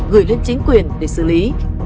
gửi lên chính quyền để xử lý